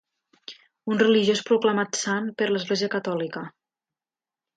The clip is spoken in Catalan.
Un religiós proclamat sant per l'església catòlica.